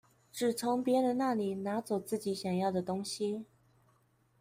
只從別人那裡拿走自己想要的東西